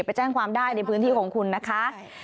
ไปแจ้งความได้ในพื้นที่ของคุณนะคะ